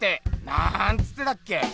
なんつってたっけ？